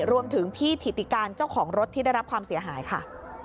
รวมถึงพี่ถิติการเจ้าของรถที่ได้รับความเสียหายค่ะ